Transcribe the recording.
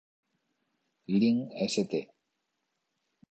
Lyn St.